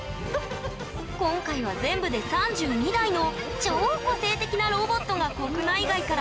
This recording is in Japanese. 今回は全部で３２台の超個性的なロボットが国内外から集まった！